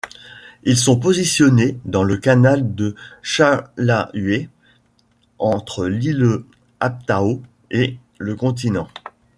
Ils sont positionnés dans le canal de Challahué, entre l'Île Abtao et le continent.